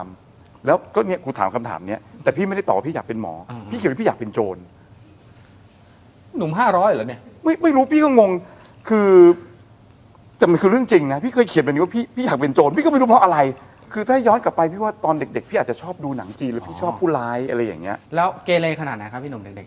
ฝันหมายถึงอยากเป็นอะไรอย่างนี้โตขึ้นมาจากเด็กแล้วอยากเป็นอะไรหรือฮะ